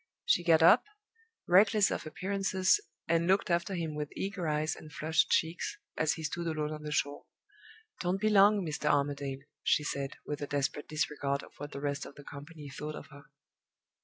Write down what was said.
She got up, reckless of appearances and looked after him with eager eyes and flushed checks, as he stood alone on the shore. "Don't be long, Mr. Armadale!" she said, with a desperate disregard of what the rest of the company thought of her.